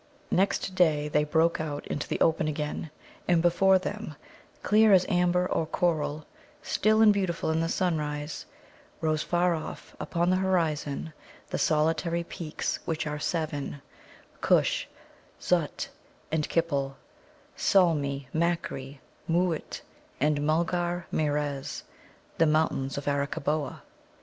Next day they broke out into the open again, and before them, clear as amber or coral, still and beautiful in the sunrise, rose afar off upon the horizon the solitary peaks, which are seven Kush, Zut, and Kippel, Solmi, Makkri, Mōōt, and Mulgar meerez the Mountains of Arakkaboa.